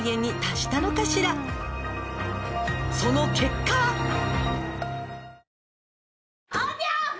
「その結果は」